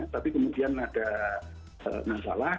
tapi kemudian ada masalah